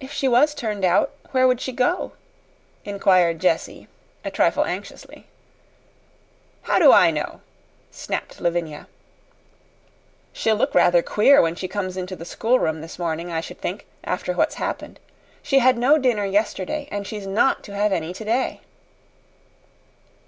"If she was turned out where would she go?" inquired Jessie, a trifle anxiously. "How do I know?" snapped Lavinia. "She'll look rather queer when she comes into the schoolroom this morning, I should think after what's happened. She had no dinner yesterday, and she's not to have any today."